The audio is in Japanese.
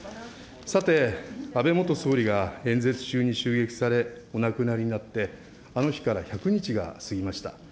さて、安倍元総理が演説中に襲撃され、お亡くなりになって、あの日から１００日が過ぎました。